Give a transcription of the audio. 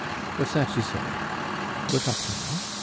What's that you say? Look up, now.